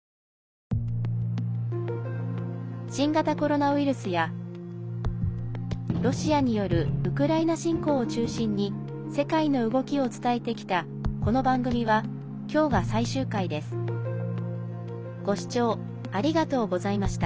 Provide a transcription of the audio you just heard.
新型コロナウイルスやロシアによるウクライナ侵攻を中心に世界の動きを伝えてきたこの番組は、今日が最終回です。ご視聴、ありがとうございました。